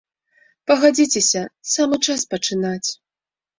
Пагадзіцеся, самы час пачынаць.